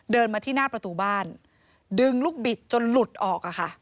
เดินมาที่หน้าประตูบ้านดึงลูกบิดจนหลุดออกอะค่ะ